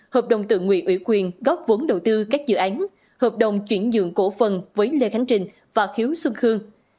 hợp đồng tự nguyện ủy quyền góp vốn đầu tư các dự án hợp đồng chuyển nhượng cổ phần với lê khánh trình và khiếu xuân khương